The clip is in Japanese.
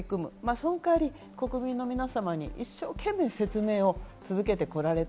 その代わり国民の皆様に一生懸命説明を続けてこられた。